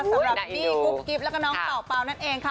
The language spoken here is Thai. สำหรับบี้กุ๊บกิ๊บแล้วก็น้องเป่านั่นเองค่ะ